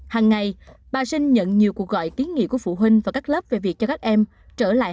hằng ngày bà sinh nhận nhiều cuộc gọi kiến nghị của phụ huynh và các lớp về việc cho các em trở lại